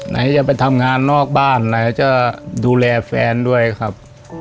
ไหนจะไปทำงานนอกบ้านไหนจะดูแลแฟนด้วยครับ